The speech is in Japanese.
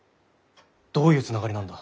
どういうつながりなんだ？